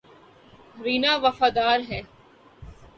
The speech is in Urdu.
رینا وفادار ہے